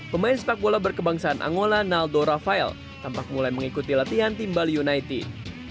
pemain sepak bola berkebangsaan angola naldo rafael tampak mulai mengikuti latihan tim bali united